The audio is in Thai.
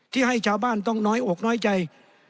ที่ให้ชาวบ้านต้องน้อยอกน้อยใจ